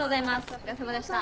お疲れさまでした。